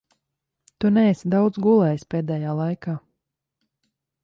Tu neesi daudz gulējis pēdējā laikā.